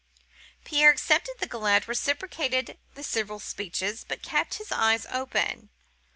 Pierre accepted the galette, reciprocated the civil speeches, but kept his eyes open.